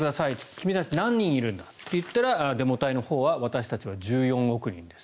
君たち何人いるんだと言ったらデモ隊のほうは私たちは１４億人です。